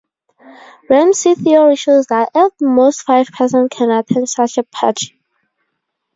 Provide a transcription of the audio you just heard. Ramsey theory shows that at most five persons can attend such a party.